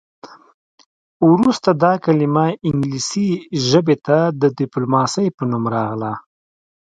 وروسته دا کلمه انګلیسي ژبې ته د ډیپلوماسي په نوم راغله